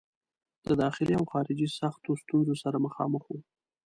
د داخلي او خارجي سختو ستونزو سره مخامخ وو.